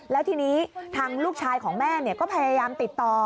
แล้วทีนี้ทางลูกชายของแม่ก็พยายามติดต่อ